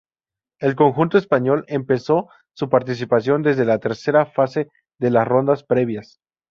El conjunto español empezó su participación desde la tercera fase de las Rondas Previas.